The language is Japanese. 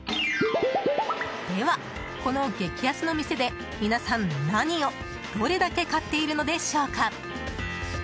では、この激安の店で皆さん、何をどれだけ買っているのでしょうか。